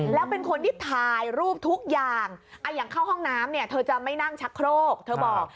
แล้วเป็นคนที่ถ่ายรูปทุกอย่างอย่างเข้าห้องน้ำเนี่ยเธอจะไม่นั่งชักโครกเธอบอก